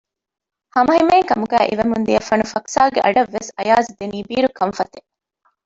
ހަމަހިމޭން ކަމުގައި އިވެމުން ދިޔަ ފަނުފަކްސާގެ އަޑަށްވެސް އަޔަާޒު ދިނީ ބީރު ކަންފަތެއް